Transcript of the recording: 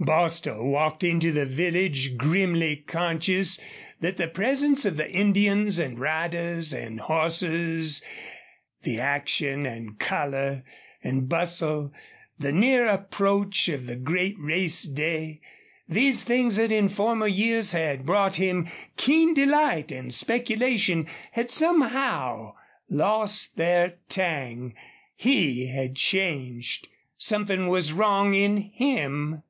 Bostil walked into the village, grimly conscious that the presence of the Indians and riders and horses, the action and color and bustle, the near approach of the great race day these things that in former years had brought him keen delight and speculation had somehow lost their tang. He had changed. Something was wrong in him.